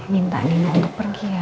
minta nino pergi ya